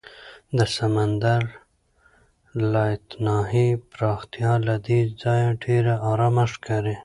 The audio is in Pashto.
د سمندر لایتناهي پراختیا له دې ځایه ډېره ارامه ښکاري.